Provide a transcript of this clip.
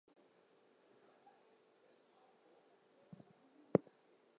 The national revival will never die.